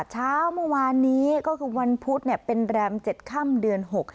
เช้าเมื่อวานนี้ก็คือวันพุธเป็นแรม๗ค่ำเดือน๖